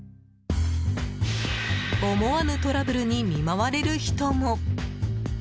思わぬトラブルに見舞われる人も。